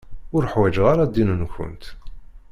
Ur ḥwaǧeɣ ara ddin-nkent.